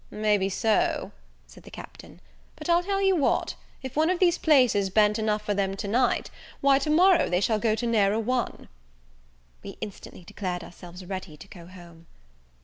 "May be so," said the Captain, "but I'll tell you what, if one of these places ben't enough for them to night, why to morrow they shall go to ne'er a one." We instantly declared ourselves ready to go home.